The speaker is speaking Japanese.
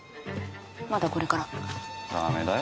まだこれからダメだよ